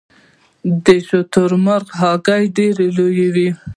د شترمرغ هګۍ ډیره لویه وي